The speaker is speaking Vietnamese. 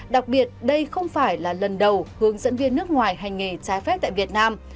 đặc biệt đây không phải là lần đầu hướng dẫn viên nước ngoài hành nghề trái phép tại việt nam